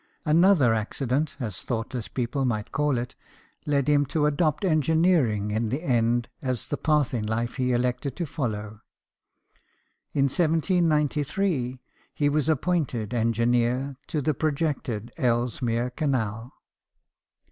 Another accident, as thoughtless people might call it, led him to adopt engineering in the end as the path in life he elected to follow. In 1793, he was appointed engineer to the projected Ellesmere Canal.